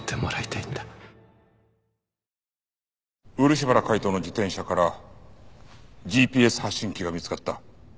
漆原海斗の自転車からＧＰＳ発信器が見つかった。